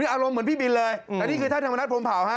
อารมณ์เหมือนพี่บินเลยแต่นี่คือท่านธรรมนัฐพรมเผาฮะ